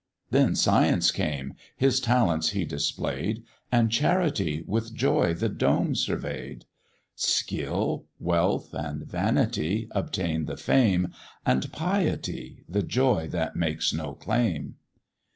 Then Science came his talents he display'd, And Charity with joy the dome survey'd; Skill, Wealth, and Vanity, obtain the fame, And Piety, the joy that makes no claim.